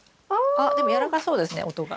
あっでも軟らかそうですね音が。